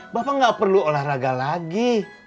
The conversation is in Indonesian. bapak nggak perlu olahraga lagi